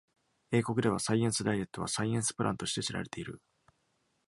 英国では、Science Diet は Science Plan として知られている。